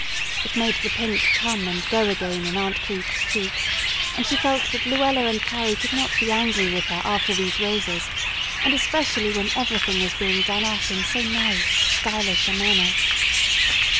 It made the pink come and go again in Aunt Crete's cheeks, and she felt that Luella and Carrie could not be angry with her after these roses, and especially when everything was being done up in so nice, stylish a manner.